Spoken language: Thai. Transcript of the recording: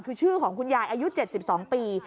คือชื่อของคุณยายอายุ๗๒ปี